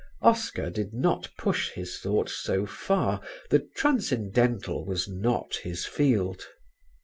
Oscar did not push his thought so far: the transcendental was not his field.